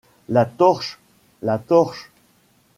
La torche ! la torche !